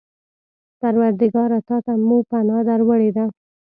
پروردګاره! تا ته مو پناه در وړې ده.